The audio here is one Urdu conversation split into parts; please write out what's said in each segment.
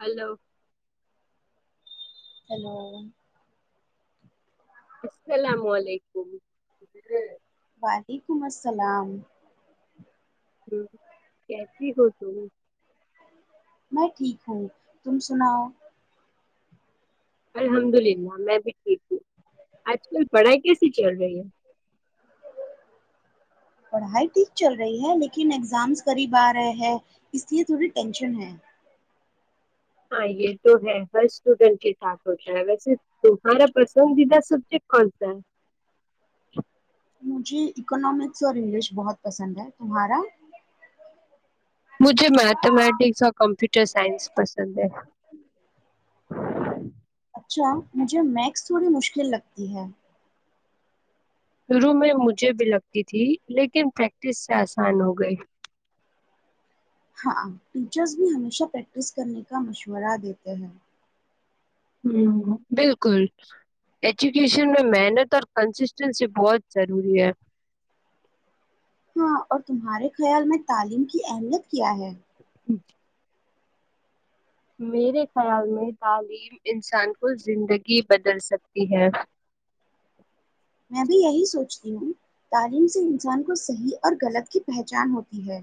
ہیلو ہیلو السلام علیکم وعلیکم السلام ہ کیسی ہو تو میں ٹھیک ہوں تم سناؤ الحمد للہ میں بھی ٹھیک ہوں آج کل پڑھائی کیس چل رہی ہے پڑھائی ٹھیک چل رہی ہے لیکن ایگزامس قریب آ رہے ہیں اس لیے تھوڑی ٹینشن ہے ہاں یہ تو ہے ہر اسٹوڈینٹ کے ساتھ ہوتا ہے ویسے تمہارا پسندیدہ سبجیکٹ کون سا ہے مجھے اکنامکس اور انگلش بہت پسند ہے تمہارا مجھے میتھمیٹکس اور کمپیوٹر سائنس پسند ہے اچھا مجھے میکس تھوڑی مشکل لگتی ہے شروع میں مجھے بھی لگتی تھی لیکن پریکٹس سے آسان ہو گئی ہاں ٹیچرس بھی ہمیشہ پریکٹس کرنے کا مشورہ دیتے ہیں ہ بالکل ایجوکیشن میں محنت اور کنسسٹینسی بہت ضروری ہے ہاں اور تمہارے خیال میں تعلیم کی اہمیت کیا ہے میرے خیال میں تعلیم انسان کو زندگی بدل سکتی ہے میں بھی یہی سوچتی ہوں تعلیم سے انسان کو صحیح اور غلط کی پہچان ہوتی ہے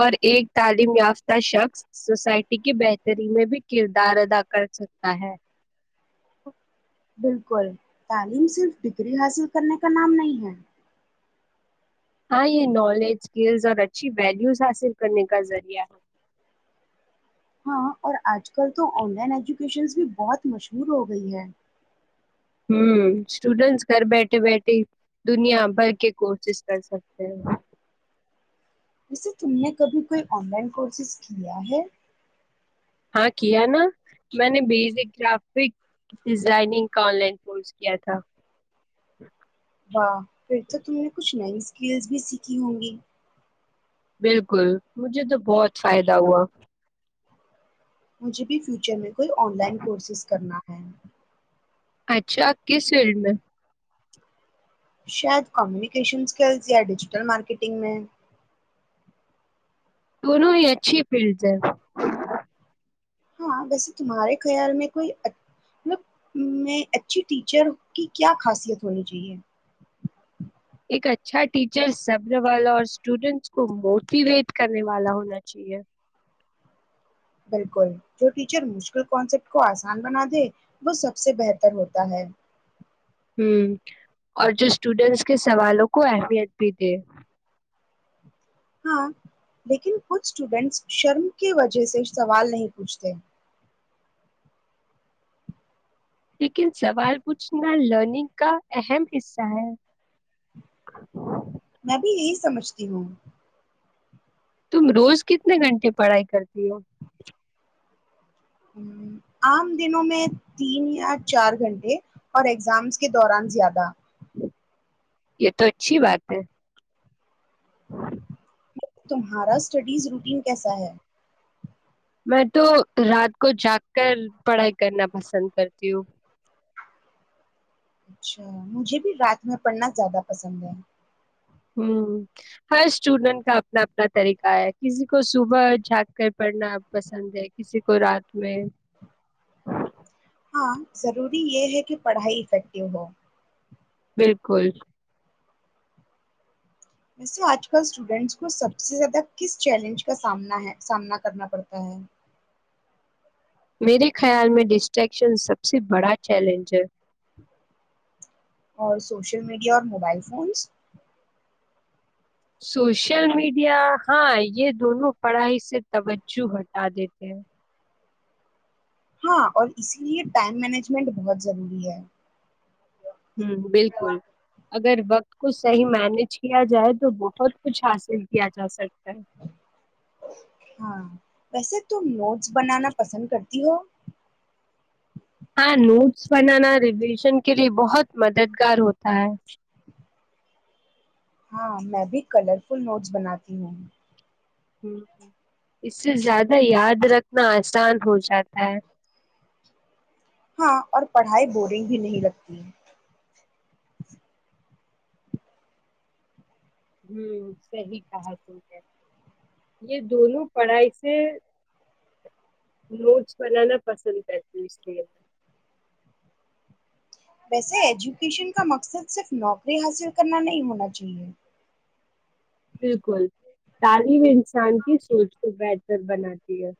اور ایک تعلیم یافتہ شخص سوسائٹی کی بہتری میں بھی کردار ادا کرسکتا ہے بالکل تعلیم صرف ڈگری حاصل کرنے کا نام نہیں ہے ہاں یہ نالج اسکلز اور اچھی ویلیوز حاصل کرنے کا ذریعہ ہے ہاں اور آج کل تو آن لائن ایجوکیشنز بھی بہت مشہور ہو گئی ہے ہ اسٹوڈینٹس گھر بیٹھے بیٹھے دنیا بھر کے کورسز کر سکتے ہیں جیسے تم نے کبھی کوئی آن لائن کورسز کیا ہے ہاں کیا نا میں نے بیزک گرافک ڈیزائننگ کا آن لائن کورس کیا تھا واہ پھر تو تم نے کچھ نہیں کییلز بھی سیکھی ہوں گی بالکل مجھے تو بہت فائدہ ہوا مجھے بھی فیوچر میں کوئی آن لائن کورسز کرنا ہے اچھا کس فیلڈ میں شاید کمیونیکیشن سکلز یا ڈیجیٹل مارکیٹنگ میں دونوں ہی اچھی فیلڈ ہیں ہاں ویسے تمہارے خیال میں کوئی ملب میں اچھی ٹیچر کی کیا خاصیت ہونی چاہیئے ایک اچھا ٹیچر سبر والا اور اسٹوڈنٹس کو موٹیویٹ کرنے والا ہونا چاہیے بالکل جو ٹیچر مشکل کنسیپٹ کو آسان بنا دے وہ سب سے بہتر ہوتا ہے ہ اور جو اسٹوڈینٹس کے سوالوں کو اہمیت بھی دے ہاں لیکن کچھ اسٹوڈنٹس شرم کی وجہ سے سوال نہیں پوچھتے لیکن سوال پوچھنا لرننگ کا اہم حصہ ہے میں بھی یہی سمجھتی ہوں تم روز کتنے گھنٹے پڑھائی کرتی ہو عام دنوں میں تین یا چار گھنٹے اور ایگزامز کے دوران زیادہ یہ تو اچھی بات ہے ہاں تمہاراس اسٹڈیز روٹین کیسا ہے میں تو رات کو جاگ کر پڑھائی کرنا پسند کرتی ہوں اچھا مجھے بھی رات میں پڑھنا زیادہ پسند ہے ہوں ہر اسٹوڈینٹ کا اپنا اپنا طریقہ ہے کسی کو صبح جھانک کر پڑھنا پسند ہے کسی کو رات میں ہاں ضروری یہ ہے کہ پڑھائی افیکٹو ہو بالکل ویسے آج کل اسٹوڈنٹس کو سب سے زیادہ کس چیلنج کا سامنا کرنا پڑتا ہے میرے خیال میں ڈسٹریکشن سب سے بڑا چیلنج ہے اور سوشل میڈیا اور موبائل فونس سوشل میڈیا ہاں یہ دونوں پڑھائی سے توجہ ہٹا دیتے ہیں ہاں اور اسی لیے ٹائم مینجمنٹ بہت ضروری ہے ہوں بالکل اگر وقت کو صحیح مینج کیا جائے تو بہت کچھ حاصل کیا جا سکتا ہے ہاں ویسے ت نوٹ کچ بنانا پسند کرتی ہو ہاں نوٹس بنانا ریویژن کے لیے بہت مددگار ہوتا ہے ہاں میں بھی کلرفل نوٹس بناتی ہوں ہ اس سے زیادہ یاد رکھنا آسان ہو جاتا ہے ہاں اور پڑھائی بورنگ بھی نہیں لگتی ہ صحی کہا س ہے یہ دونوں پڑھائی سے نوٹس بنانا پسند کرتی ہوں اسٹول میں ویسے ایجوکیشن کا مقصد صرف نوکری حاصل کرنا نہیں ہونا چاہیے بالکل تعلیم انسان کی سوچ کو بہتر بناتی ہے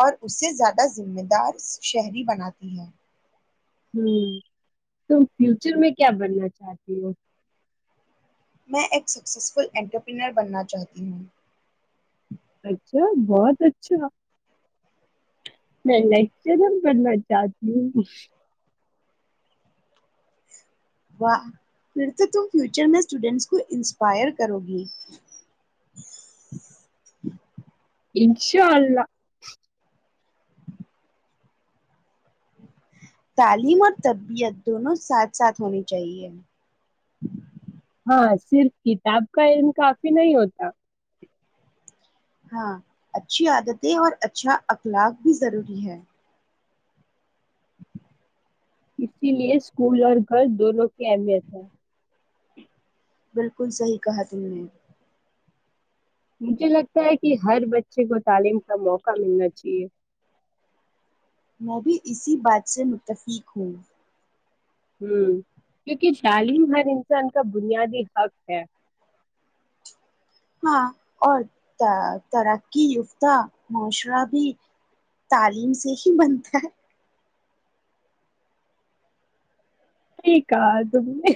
اور اسے زیادہ ذمہ دار شہری بناتی ہے ہوں تم فیوچر میں کیا بننا چاہتی ہو میں ایک سکسیزفل انٹرپرینر بننا چاہتی ہوں اچھا بہت اچھا میں لیکچرر پڑھنا چاہتی ہوں واہ پھر تو تم فیوچر میں اسٹوڈنٹس کو انسپائر کرو گی انشاء اللہ تعلیم اور تربیعت دونوں ساتھ ساتھ ہونی چاہیے ہاں صرف کتاب کا ان کافی نہیں ہوتا ہاں اچھی عادتیں اور اچھا اخلاق بھی ضروری ہے اسی لیے اسکول اور گھر دونوں کی اہمیت ہے بالکل صحیح کہا تم نے مجھے لگتا ہے کہ ہر بچے کو تعلیم کا موقع ملنا چاہیے میں بھی اسی بات سے متفق ہوں ہ کیونکہ تعلیم ہر انسان کا بنیادی حق ہے ہاں اور ترقی یافتہ معاشرہ بھی تعلیم سے ہی بنتا ہے ٹھیک ہے تم نے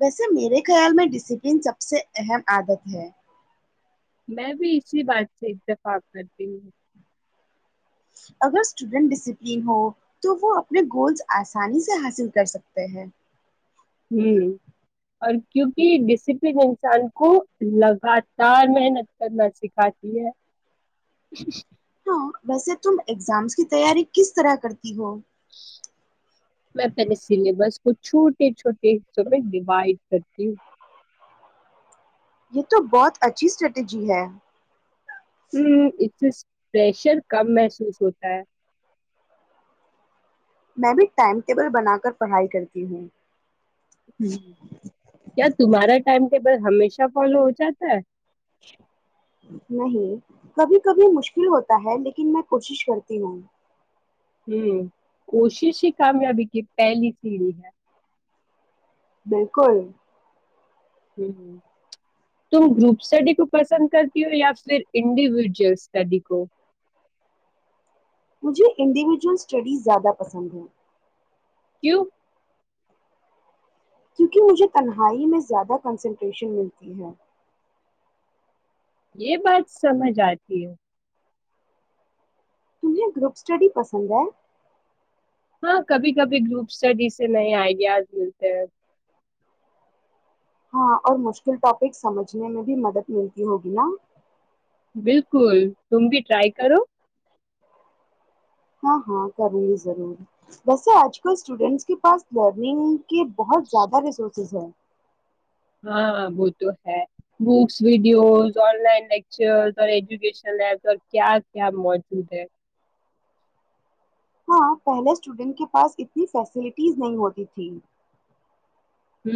ویسے میرے خیال میں ڈسپلن سب سے اہم عادت ہے میں بھی اسی بات سے اتفاق کرتی ہوں اگر اسٹوڈنٹ ڈسپلین ہو تو وہ اپنے گولز آسانی سے حاصل کرسکتے ہیں ہ اور کیونکہ ڈسپلن انسان کو لگاتار محنت کرنا سکھاتی ہے ہاں ویسے تم اگزامس کی تیاری کس طرح کرتے ج ہو [unintelligible] میں اپنے سلیبس کو چھوٹے چھوٹے حصوں میں ڈیوائڈ کرتی ہوں یہ تو بہت اچھی سٹریٹجی ہے ہ ات [unintelligible] پریشر کم محسوس ہوتا ہے میں بھی ٹائم ٹیبل بنا کر پڑھائی کرتی ہوں ہ کیا تمہارا ٹائم کے بس ہمیشہ فالو ہو جاتا ہے نہیں کبھی کبھی مشکل ہوتا ہے لیکن میں کوشش کرتی ہوں ہوں کوشش ہی کامیابی کی پہلی سیڑھی ہے بالکل ہ تم گروپ اسٹڈی کو پسند کرتی ہو یا پھر انڈیویجئل اسٹڈی کو مجھے انڈیویجول اسٹڈیز زیادہ پسند ہیں کیو [unintelligible] کیونکہ مجھے تنہائی میں زیادہ کنسنٹریشن ملتی ہے یہ بات سمجھ آتی ہ تمہیں گروپ سٹڈی پسند ہے ہاں کبھی کبھی گروپ اسٹڈی سے نئے آئیڈیاز ملتے ہیں ہاں اور مشکل ٹاپک سمجھنے میں بھی مدد ملتی ہوگی نا بالکل تم بھی رائی کرو ہاں ہاں کروں گی ضرور ویسے آج کل اسٹوڈینٹس کے پاس لرننگ کے بہت زیادہ ریسورسز ہے ہاں وہ تو ہے books videos online lecture اور ایجوکیشن ایپ اور کیا کیا موجود ہے ہاں پہلے اسٹوڈنٹ کے پاس اتنی فیسلٹیز نہیں ہوتی تھیں ہ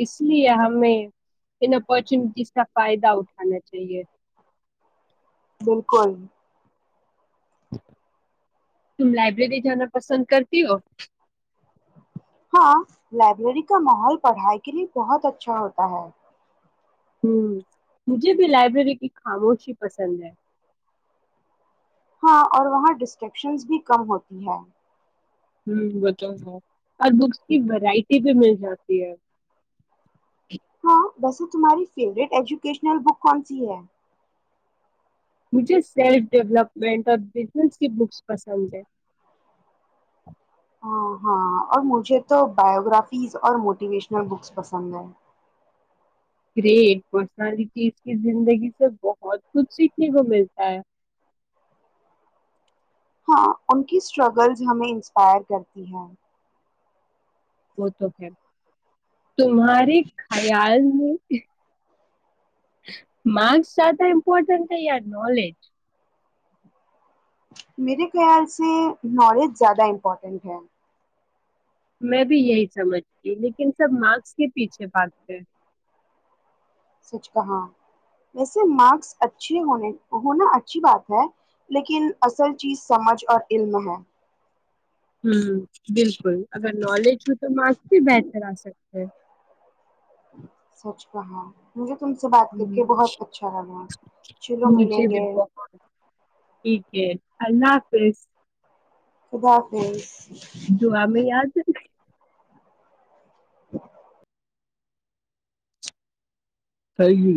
اس لیے ہمیںچ [unintelligible] جس کا فائدہ اٹھا [unintelligible] چاہیے [unintelligible] بالکل تم لائبریری جانا پسند کرتی ہو ہاں لائبریری کا ماحول پڑھائی کے لیے بہت اچھا ہوتا ہے ہ مجھے بھی لائبریری کی خاموشی پسند ہے ہاں اور وہاں ڈسٹیکشنز بھی کم ہوتی ہیں ہ وہ تو ہے اور بکس کی ورائٹی بھی مل جاتی ہے ہاں ویسے تمہاری فیوریٹ ایجوکیشنل بک کون سی ہے مجھے سیلف ڈیولپمنٹ اور بزنس کی بکس پسند ہے ہاں ہاں اور مجھے تو بایوگرافیز اور موٹیویشنل بکس پسند ہے گریٹ پرسنالٹیز کی زندگی سے بہت کچھ سیکھنے کو ملتا ہے ہاں ان کی اسٹرگلز ہمیں انسپائر کرتی ہیں وہ تو خ تمہارے خیال میں مارکس زیادہ امپورٹنٹ ہے یا نالج [unintelligible] میرے خیال سے نالج زیادہ امپورٹنٹ ہے [unintelligible] میں بھی یہی سمجھ گ لیکن سب مارکس کے پیچھے پھاگتے [unintelligible] سچ کہاں ویسے مارکس اچھے ہونے ہونا اچھی بات ہے لیکن اصل چیز سمجھ اور علم ہے [unintelligible] ہ بالکل [unintelligible] اگر نالج ہو تو مارکس بھی بہتر آ سک [unintelligible] ا [inaudible] سچ کہ ہاں مجھے تم سے بات کر کے ہوں، بہت اچھا رہگا چلو مجھے ملیں بھی گے بہت ٹھیک ہے [unintelligible] اللہ حافظ [unintelligible] خدافظ [inaudible] جو آ میں یاد رہ [unintelligible] [inaudible] سی گی گا [unintelligible]